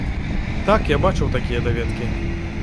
Так, я бачыў такія даведкі.